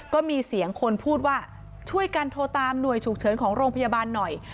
ก็มีเสียงคนพูดว่าช่วยกันโทรตามหน่วยฉุกเฉินของโรงพยาบาลหน่อย